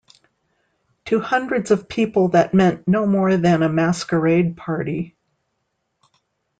To hundreds of people that meant no more than a masquerade party.